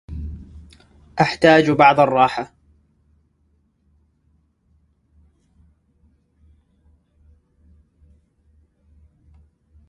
أحتاج بعض الراحة.